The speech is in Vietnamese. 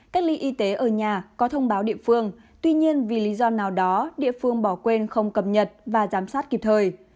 cách ly y tế ở nhà có thông báo địa phương tuy nhiên vì lý do nào đó địa phương bỏ quên không cập nhật và giám sát kịp thời